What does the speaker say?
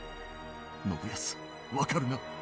信康わかるな？